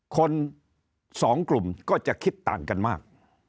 คนสองกลุ่มก็จะคิดต่างกันมาก